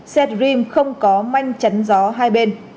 xe dream không có manh chắn gió hai bên